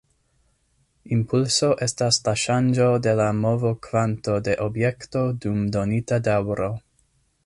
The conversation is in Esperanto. Impulso estas la ŝanĝo de la movokvanto de objekto dum donita daŭro.